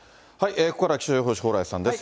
ここからは気象予報士、蓬莱さんです。